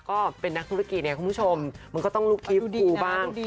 ก็เป็นนักธุรกิจเนี่ยคุณผู้ชมมันก็ต้องลุกพีฟูบ้าง